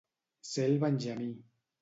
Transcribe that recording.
Ser el benjamí.